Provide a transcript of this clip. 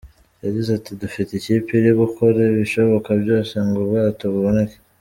Yagize ati “Dufite ikipe iri gukora ibishoboka byose ngo ubwato buboneke.